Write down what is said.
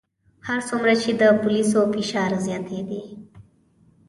هر څومره چې د پولیسو فشار زیاتېدی.